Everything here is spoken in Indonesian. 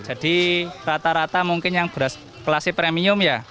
jadi rata rata mungkin yang beras klasik premium ya